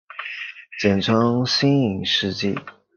简称新影世纪。